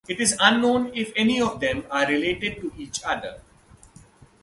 It is unknown if any of them are related to each other.